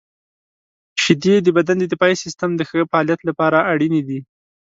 • شیدې د بدن د دفاعي سیستم د ښه فعالیت لپاره اړینې دي.